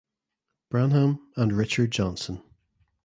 Branham and Richard Johnson.